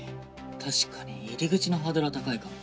確かに入り口のハードルは高いかも。